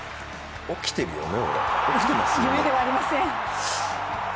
起きてるよね？